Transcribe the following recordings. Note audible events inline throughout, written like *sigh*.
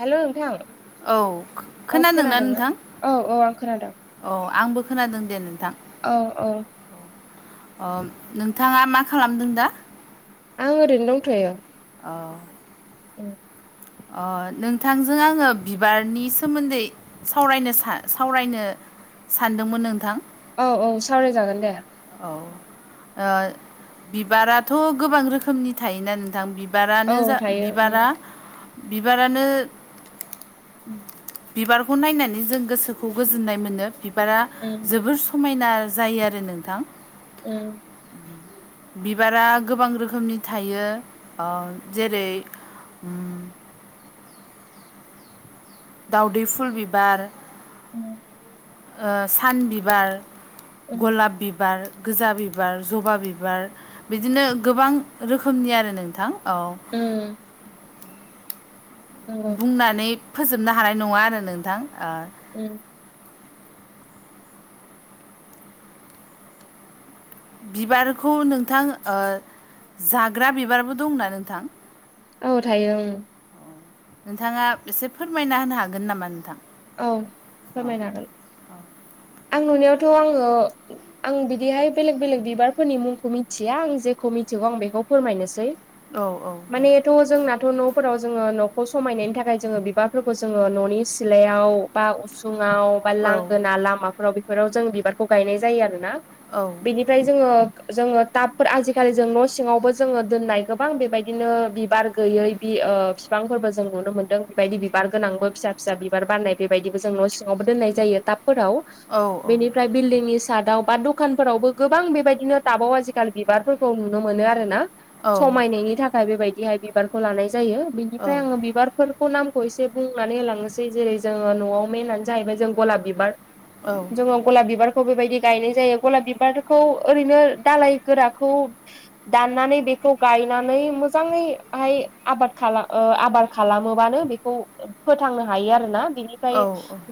हेल' नोंथां औ खोनादोंना नोंथां? औ औ आं खोनादों अ आंबो खोनादों दे नोंथां औ औ अ नोंथाङा मा खालामदों दा? आं ओरैनो दंथ'यो अह उम अ नोंथांजों आङो बिबारनि सोमोन्दै सावरायनो सा सावरायनो सा-सावरायनो सानदोंमोन नोंथां औ औ सावरायजागोन दे औ बिबाराथ' गोबां रोखोमनि थायोना नोंथां बिब औ बिबारानो जा थायो बिबारा उम बिबारानो बिबारखौ नायनानै जों गोसोखौ गोजोननाय मोनो बिब बारा उम जोबोर समायना जायो आरो नोंथां ओम बिबारा गोबां रोखोमनि थायो अह जेरै *inaudible* दावदै फुल बिबार ओम ओ सान बिबार उम गलाब बिबार गोजा बिबार जबा बिबार बिदिनो गोबां रोखोमनि आरो नोंथां औ ओम नंगौ बुंनानै फोजोबनो हानाय नङा आरो नोंथां ओ ओम बिबारखौ नोंथां जाग्रा बिबारबो दंना नोंथां औ थायो ओम नोंथाङा एसे फोरमायना होनो हागोन नामा नोंथां औ औ फोरमायनो हागोन आं नुनायावथ' आङो आं बिदिहाय बेलेग बेलेग बिबारफोरनि मुंखौ मिथिया आं जेखौ मिथिगौ आं बेखौ फोरमायनोसै औ औ दे थ' जोंनाथ' न'फोराव जोङो न'खौ समायनायनि थाखाय जोङो बिबारफोरखौ जोङो न'नि सिलायाव याव बा उसुङाव बा औ लांगोना लामाफोराव बेफोराव जों बिबारखौ गायनाय जायो आरो ना औ बिनि फ्राय जोङो जोङो टाबफोर आजिखालि जों न' सिङावबो जोङो दोननाय गोबां बेबायदिनो बिबार गैयै बि ओ फिफांफोरबो जों नुनो मोन्दों बेबायदि बिबार गोनांबो फिसा फिसा बि बिबार बारनाय बेबायदिबो जों न' सिङावबो दोननाय जायो थाबफोराव औ बेनि फ्राय बिल्डिंनि सादाव बा दखानफोरावबो गोबां बेबायदिनो टाबाव आजिखालि बिबारफोरखौ नुनो मोनो आर ना औ समायनायनि थाखाय बेबायदिहाय बिबारखौ लानाय जायो बेनिफ्राय औ आङो बिबार फोरखौ नामखौ एसे बुंनानै होलांनोसै जेरै जोङो न'आव मेनानो जाहैबाय जों गलाब बिबार औ जोङो गलाब बिबारखौ बेबायदि गायनाय जायो गलाब बिबारखौ ओरैनो दालाय गोराखौ दाननानै बेखौ गायनानै मोजाङैहाय आबाद खाला ओ आबाद खालामोबानो बेखौ फोथांनो हायो आरोना बिनिफ्राय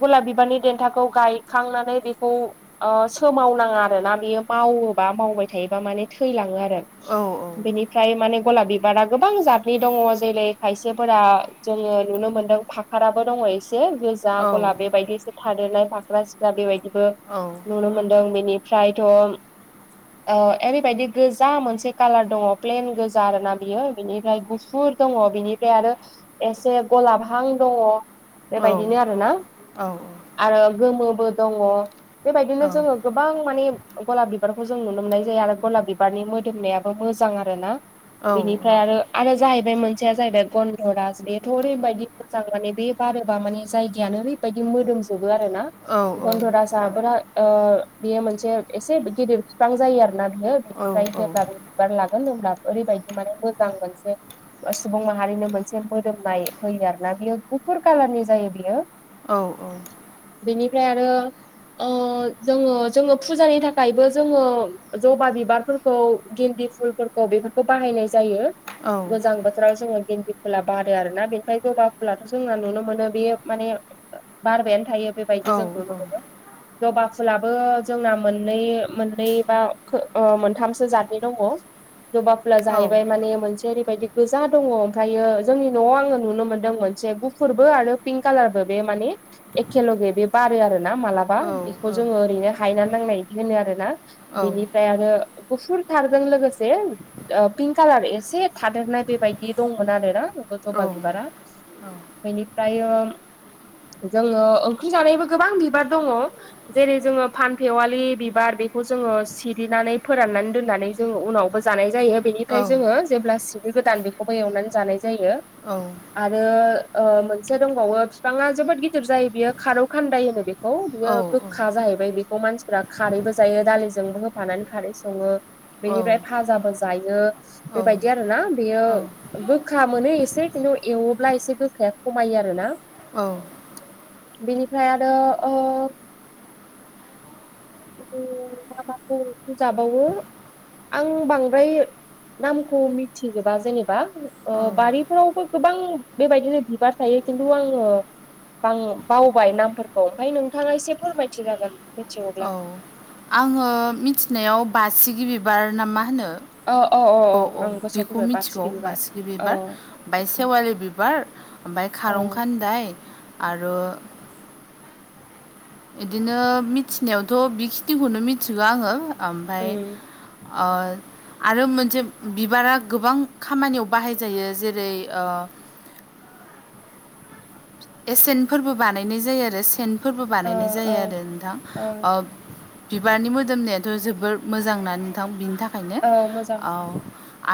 गलाब बिबारनि देन्थाखौ गायखांनानै बेखौ ओ सोमावनाङा आरो ना बियो मावोबा मावबाय थायोबा माने थैलाङो आरो बेनि फ्राय माने गलाब बिबारा गोबां जादनि दङ जेरै खायसेफोरा जोङो नुनो मोनदों फा ख्राराबो दङ एसे गोजा गलाब बेबायदि एसे थादेरनाय फाग्रा सिख्रा बेबायदिबो नुनो मोनदों बेनिफ्रायथ' ओ ओरैबायदि गोजा मोनसे कालार दङ प्लेन गोजा आर ना बियो बेनिफ्राय गुफुर दङ बिनिफ्राय आरो एसे गलाबहां दङ बेबायदिनो आरोना आरो गोमोबो दङ बेबायदिनो जोङो गोबां माने गलाब बिबारखौ जों नुनो मोननाय जायो आरो गलाब बिबारनि मोदोमनायाबो मोजां आरो ना बेनिफ्राय आरो आरो जाहैबाय मोनसेया जाहैबाय गन्धरास बेथ' ओरैबायदि मोजां मानानि बे बारोबा माने जायगायानो ओरैबायदि मोदोमजोबो आरो गनध'राज राबो रा ओ बेयो मोनसे एसे गिदिर बिफां जायो आरो ना बियो बेनिफ्राय जेब्लाबो बिबार लागोन होनब्ला ओरैबायदि माने मोजां मोनसे सुबुं माहारिनो मोनसे मोदोमनाय होयो आरो ना बियो गुफुर कालारनि जायो बियो औ औ बेनिफ्राय आरो जोङो जोङो फुजानि थाखायबो जोङो जबा बिबारफोरखौ गेन्दि फुलफोरखौ बेफोरखौ बाहायनाय जायो। गोजां बोथोराव जोङो गेन्दि फुला बारो आरोना बेखाय जबा अब्लाथ' जोंना नुनो मोनो बेयो माने बारबायानो थायो बेबायदि जों नुनो मोनो। जबा फुलाबो जोंना मोननै मोननै बा खो ओ मोनथामसो जातनि दङ। जबा फुआ जाहैबाय माने मोनसे ओरैबायदि गोजा दङ ओमफ्रायो जोंनि न'आव आङो नुनो मोन्दोंमोन से गुफुरबो आरो पिंक कालारबो बे माने एखे लगे बे बारो आरो ना मालाबा बेखौ जोङो ओरैनो हायना नांनाय बिदि होनो आरो ना बिनिफ्राय आरो गुफुर थारजों लोगोसे पिंक कालार एसे थादेरनाय बेबायदि दंमोन आरो ना जबा औ औ बिबारा बेनिफ्रायो जोङो ओंख्रि जानायबो गोबां बिबार दङ जेरै जोङो फानफेवालि बिबार बेखौ जोङो सिरिनानै फोराननानै दोननानै जों उनावबो जानाय जायो बेनिफ्राय जोङो जेब्ला सिनि गोदान बेखौबो एवनानै जानाय जायो। औ आरो मोनसे दंबावो बिफाङा जोबोद गिदिर जायो बियो खारौ खान्दाय होनो बे खौ बियो गोखा जाहैबाय बे खौ मानसिफ्री खारैबो जायो दालिजोंबो होफानानै खारै सङो। बेनिफ्राय फाजाबो जायो। बेबायदि आरो ना बेयो गोखा मोनो एसे खिन्थु एव ब्ला एसे गोखाया खमायो आरो ना औ बिनिफ्राय आरो मा माखौ ओंख्रि जाबावो आं बांद्राय नामखौ मिथिजोबा जेनेबा बारिफोरावबो गोबां बेबायदिनो बिबार थायो खिन्थु आङो बां-बावबाय नामफोरखौ ओमफाय नोंथाङा एसे फोरमायथिजागोन। औ आङो मिथिनायाव बासिगि गिबिबार ना मा होनो औ औ अ औ आं गोसोआव बेखौ फैबाय मिथिगौ बारसिगि बिबार बासिगि औ बिबार ओमफाय सेवालि बिबार ओमफ्राय औ खारं खान्दाय आरो बिदिनो मिथिनायावथ' बिखिनिखौनो मिथिगौ आङो आमफाय उम ओ आरो मोनसे बिबारा गोबां खामानियाव बाहायजायो जेरै एसेन फोरबो बानायनाय जायो आरो सेन फोरबो ओ बानायनाय ओ जायो आरो नोंथां। ओ बिबारनि मोदोमनायाथ' जोबोर मोजांना नोंथां बिनि थाखायनो औ मोजां औ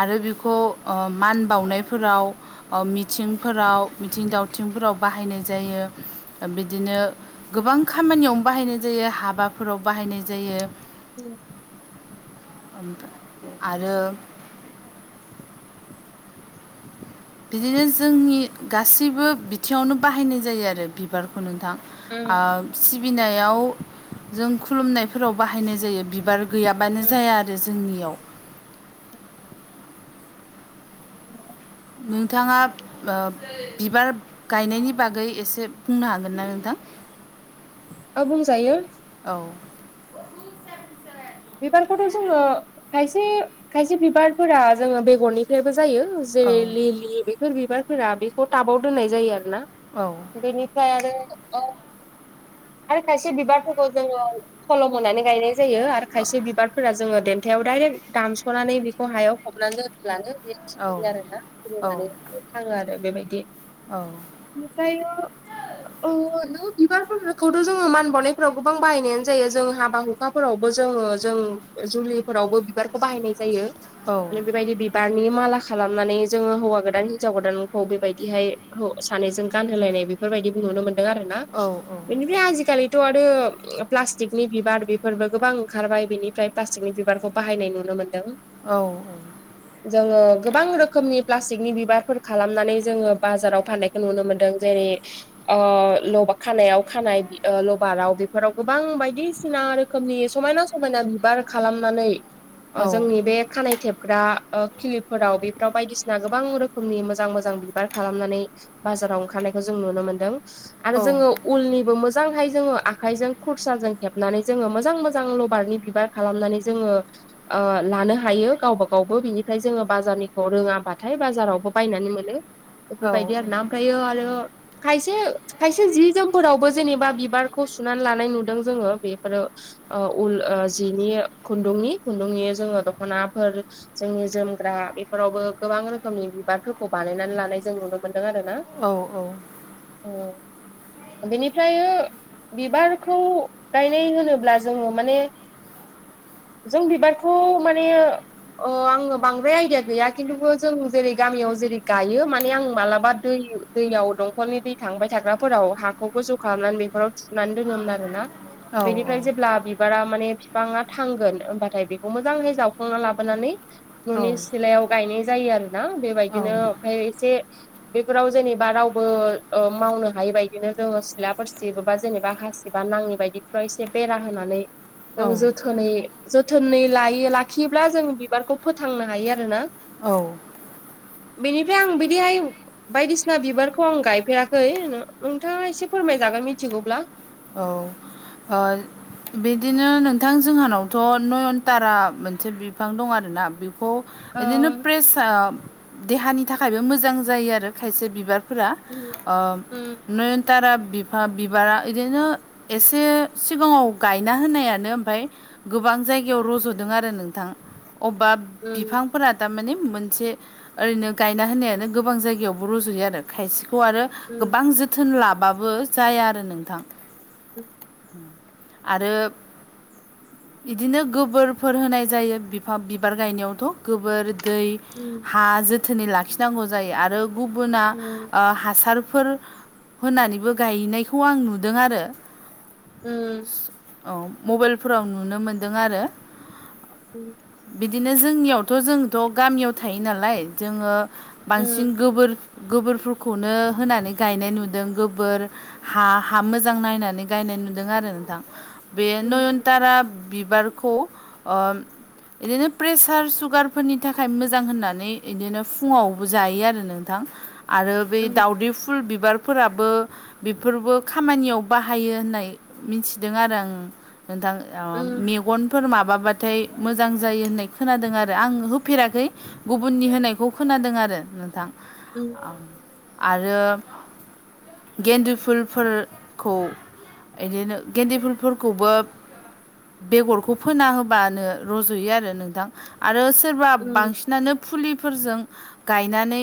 आरो बिखौ मान बावनायफोराव मिथिंफोराव मिथिं दावथिंफोराव बाहायनाय जायो। बिदिनो गोबां खामानियावनो बाहायनाय जायो हाबाफोराव बाहायनाय जायो। उ औ नोंथां आरो बिदिनो जोंनि गासैबो बिथिङावनो बाहायनाय जायो आरो बिबारखौ नोंथां। उम सिबिनायाव जों खुलुमनायफोराव बाहायनाय जायो बिबार गैयाबानो उम जाया आरो जोंनियाव नोंथाङा बिबार गायनायनि बागै एसे बुंनो हागोन ना नोंथां? ओ बुंजायो औ बिबारखौथ' जोङो खायसे खायसे बिबारफोरा जोङो बेगरनिफ्रायबो जायो। औ जेरै लिलि बेफोर बिबारफोरा बेखौ टाबाव दोननाय जायो आरोना। औ बेनिफ्राय आरो आरो खायसे बिबारफोरखौ जोङो खल'म होनानै गायनाय जायो आरो खायसे बिबारफोरा जोङो देन्थायाव दाइरेक्ट दानस'नानै बेखौ हायाव हबनानै दोनब्लानो बे औ खिलियो आरोना औ खिलिनानै थाङो आरो बेबायदि औ आमफ्रायो ओ नों बिबारफोरखौथ' जोङो मान बावनायफोराव गोबां बाहायनायानो जायो जों हाबा हुखाफोरावबो जोङो जों जुलिफोरावबो बिबारखौ बाहायनाय जायो औ आरो बेबायदिनो बि बारनि माला खालामनानै जोङो हौवा गोदान हिनजाव गोदानखौ बेबायदिहाय सानैजों गानहोलायनाय बि फोरबायदिबो नुनो मोन्दों आरो। ना? औ बेनिफ्राय आजिखालिथ' आरो प्लास्टिकनि बिबार बेफोरबो गोबां ओंखारबाय बिनिफ्राय प्लास्टिकनि बिबारखौ बाहायनाय नुनो मोन्दों। औ औ जोङो गोबां रोखोमनि प्लास्टिकनि बिबारफोर खालामनानै जोङो बाजाराव फाननायखौ नुनो मोनदों जेरै ल खानायाव खानाय लबाराव बेफोराव गोबां बायदिसिना रोखोमनि समायना समायना बिबार खालामनानै जोंनि बे खानाय थेबग्रा किलिब फोराव बेफोराव बायदिसि ना गोबां रोखोमनि मोजां मोजां बिबार खालामनानै बाजाराव ओंखारनायखौ जों नुनो मोनदों। आरो जोङो उलनिबो मोजांहाय जोङो आखायजों खुरसाजों हेबनानै जोङो मोजां मोजां जां लबारनि बिबार खालामनानै जोङो लानो हायो गावबा गावबो बिनिफ्राय जोङो बाजारनिखौ रोङाबाथाय बाजारावबो बायनानै मोनो। बेफोरबायदि आरोना ओमफ्राय आरो खायसे खायसे जि जोमफोरावबो जेनेबा बिबारखौ सुनानै लानाय नुदों जोङो बेफोरो उल जिनि खुन्दुंनि खुन्दुंनि जोङो दख'नाफोर जोंनि जोमग्रा बेफोरावबो गोबां रोखोमनि बिबारफोरखौ बानायनानै लानाय जों नुनो मोनदों आरो ना। औ औ औ बिनिफ्राय बिबारखौ गायनाय होनोब्ला जों माने जों बिबारखौ माने अ आङो बांद्राय आइदिया गैया खिन्थु जों जेरै गामियाव जेरै गायो माने आं मालाबा दै दैयाव दंखलनि दै थांबाय थाग्राफोराव हाखौ गोजौ खालामनानै बेफोराव थुनानै दोनोमोन आरो ना। बेनिफ्राय जे ब्ला बिबारा माने बिफाङा थांगोन होनबाथाय बेखौ मोजाङै जावखांना लाबोनानै न'नि सिलायाव गायनाय जायो आरोना बेबायदिनो ओमफ्राय एसे बेफोराव जेनेबा रावबो मावनो हायि बायदिनो जोङो सिलाफोर सिबोबा जेनेबा हास एबा नाङि बायदिफ्राव एसे बेरा होनानै जों औ जोथोन खोनै जोथोनै लायो लाखियोब्ला जों बिबारखौ फोथांनो हायो आरोना। औ बेनिफ्राय आं बिदिहाय बायदिसिना बिबारखौ आं गायफेराखै नोंथाङा एसे फोरमायजागोन मिथिगौब्ला? औ आ बिदिनो नोंथां जोंहानावथ' नयनतारा मोनसे बिफां दं आरोना बेखौ ओ बिदिनो प्रेस देहानि थाखायबो मोजां जायो आरो खायसे बिबार फोरा‌ उम नयनतारा बिफा बिबारा बिदिनो एसे सिगाङाव गायना होनायानो ओमफ्राय गोबां जायगायाव रज'दों आरो नोंथां अबेबा उम बिफां फोरा थारमाने मोनसे ओरैनो गायना होनायानो गोबां जायगायावबो रज'यो आरो खायसेखौ आरो उम गोबां जोथोन लाबाबो जाया आरो नोंथां। उम आरो बिदिनो गोबोरफोर होनाय जायो बिफा बिबार गायनायावथ' गोबोर दै उ हा जोथोनै लाखिनांगौ जायो आरो गुबुना हासारफोर होननानैबो गायनायखौ आं नुदों आरो औ मबाइलफोराव नुनो मोनदों आरो। उम बिदिनो जोंनियावथ' जोंथ' गामियाव थायो नालाय जोङो बांसिन गोबोर गोबोरफोरखौनो होनानै गायनाय नुदों गोबोर हा हा मोजां नायनानै गायनाय नुदों आरो नोंथां बे नयनतारा बिबारखौ बिदिनो प्रेसार सुगारफोरनि थाखाय मोजां होननानै बिदिनो फुङावबो जायो आरो नों थां आरो बै दाावदै फुल बिबारफोराबो बेफोरबो खामानियाव बाहायो होननाय मिथिदों आरो आं नोंथां मेगन फोर माबाबाथाय मोजां जायो होननाय खोनादों आरो आं होफेराखै गुबुननि होनायखौ खोनादों आरो नोंथां उ आरो गेन्दु फुल फोरखौ बिदिनो गेन्देफुलफोरखौबो बेगरखौ फोना होबानो रज'यो आरो नोंथां आरो सोरबा बांसिनानो फुलिफोरजों गायनानै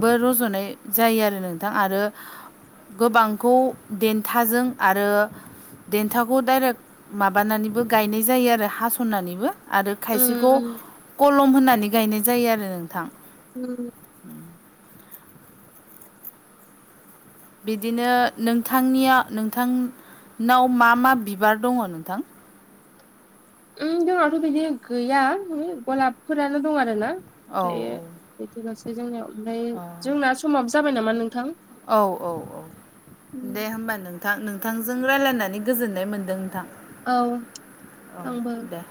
बो रज'नाय जायो आरो नोंथां आरो गोबां खौ देन्थाजों आरो देन्थाखौ डाइरेक्ट माबानानैबो गायनाय जायो आरो हास'ननानैबो आरो खायसेखौ कलम होनानै गायनाय जायो आरो नोंथां उ बिदिनो नोंथांनिया नोंथांनाव मा मा बिबार दङ नोंथां जोंनावथ' बिदि गैया गलाबफोरानो दं आर ना औ ओमफ्रायो औ बिदिल'सै जोंनियाव ओमफ्राय जोंना समाब जाबाय नामा नोंथां औ औ औ उम, दे होमबा नों नोंथां नोंथांजों रायज्लायनानै गोजोननाय मोनदों नोंथां औ औ आंबा दे